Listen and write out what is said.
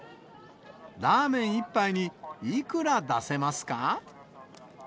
ラーメン１杯にいくら出せますか？